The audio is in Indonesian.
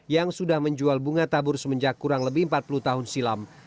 yang sudah menjual bunga tabur semenjak kurang lebih empat puluh tahun silam